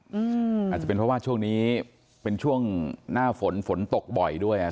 อาจจะเป็นเพราะว่าช่วงนี้เป็นช่วงหน้าฝนฝนตกบ่อยด้วยอ่ะ